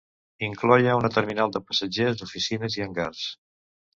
Incloïa una terminal de passatgers, oficines i hangars.